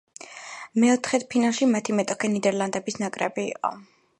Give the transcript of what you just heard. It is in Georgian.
მეოთხედფინალში მათი მეტოქე ნიდერლანდის ნაკრები იყო.